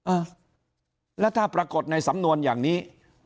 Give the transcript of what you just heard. เออแล้วถ้าปรากฏในสำนวนอย่างนี้